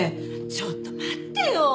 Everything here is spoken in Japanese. ちょっと待ってよ！